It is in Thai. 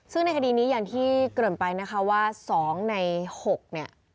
ซึ่งในคดีนี้อย่างที่เกริ่นไปนะคะว่า๒ใน๖เนี่ย